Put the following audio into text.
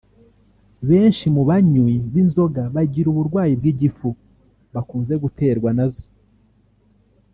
Benshi mu banywi b’inzoga bagira uburwayi bw’igifu bakunze guterwa na zo